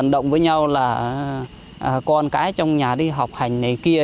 động với nhau là con cái trong nhà đi học hành này kia